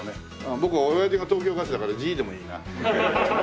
僕親父が東京ガスだからＧでもいいな。